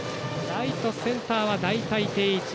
ライト、センターは大体、定位置。